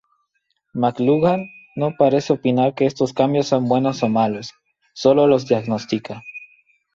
McLuhan no parece opinar que estos cambios sean buenos o malos, solo los diagnostica.